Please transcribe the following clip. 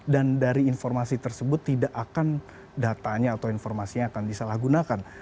dan dari informasi tersebut tidak akan datanya atau informasinya akan disalahgunakan